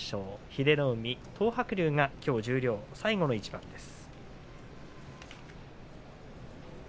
英乃海と東白龍がきょう十両最後の一番です。